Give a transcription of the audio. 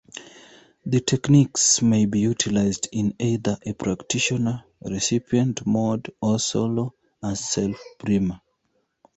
The techniques may be utilized in either a practitioner-recipient mode or solo as Self-Breema.